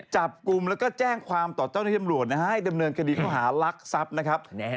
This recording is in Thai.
จับกลุ่มแล้วก็แจ้งความตอบเจ้าในธุรกิจดำเนินกระดิษฐ์ของหารักทรัพย์นะครับ